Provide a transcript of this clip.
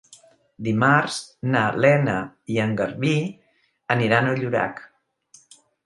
Dimarts na Lena i en Garbí aniran a Llorac.